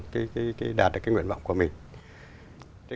để đạt được cái nguyện vọng của mình